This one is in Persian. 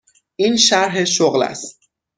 این شرح شغل است.